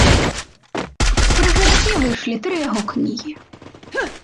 Пры жыцці выйшлі тры яго кнігі.